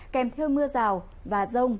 kèm theo mưa rào và rông